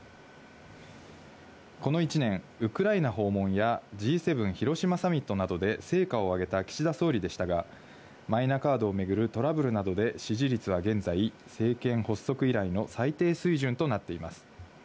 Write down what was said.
この１年、ウクライナ訪問やＧ７広島サミットなどで成果を上げた岸田総理でしたが、マイナカードを巡るトラブルなどで支持率は現在、政権発足以来の最低水準となっています。